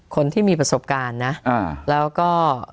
คนที่มีประสบการณ์นะแล้วก็